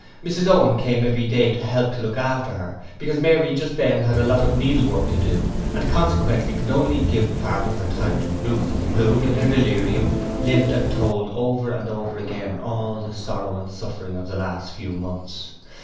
Mrs Owen came every day to help to look after her, because Mary just then had a lot of needlework to do, and consequently could only give part of her time to Ruth, who, in her delirium, lived and told over and over again all the sorrow and suffering of the last few months.